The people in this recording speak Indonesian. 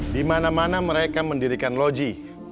di mana mana mereka mendirikan loji